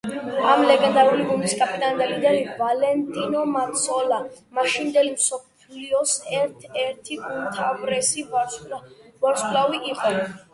ამ ლეგენდარული გუნდის კაპიტანი და ლიდერი ვალენტინო მაცოლა მაშინდელი მსოფლიოს ერთ-ერთი უმთავრესი ვარსკვლავი იყო.